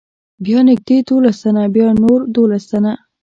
بیا نږدې دولس تنه، بیا نور دولس تنه.